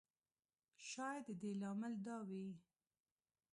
شاید د دې لامل دا وي.